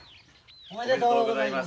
おめでとうございます。